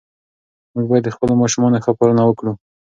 موږ باید د خپلو ماشومانو ښه پالنه وکړو.